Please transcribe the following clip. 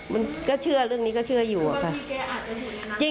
มันก็เชื่อเรื่องนี้ก็เชื่ออยู่อะค่ะ